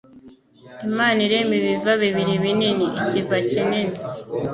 Imana irema ibiva bibiri binini ikiva kinini